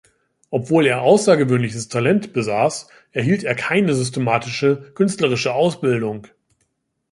Obwohl er außergewöhnliches Talent besaß, erhielt er keine systematische künstlerische Ausbildung.